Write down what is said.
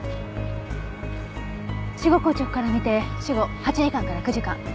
死後硬直から見て死後８時間から９時間。